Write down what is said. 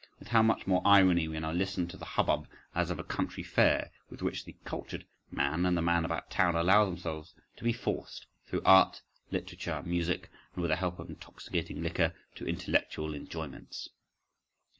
With how much more irony we now listen to the hubbub as of a country fair, with which the "cultured" man and the man about town allow themselves to be forced through art, literature, music, and with the help of intoxicating liquor, to "intellectual enjoyments."